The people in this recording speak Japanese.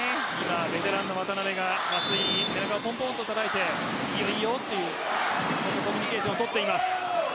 ベテランの渡邊が松井の背中をたたいて大丈夫というコミュニケーションを取っています。